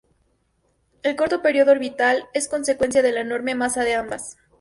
El corto período orbital es consecuencia de la enorme masa de ambas.